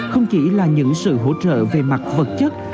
không chỉ là những sự hỗ trợ về mặt vật chất